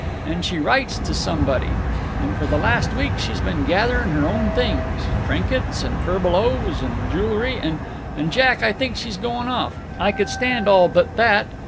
And she writes to somebody. And for the last week she's been gathering her own things trinkets, and furbelows, and jew'lry and, Jack, I think she's goin' off. I could stand all but that.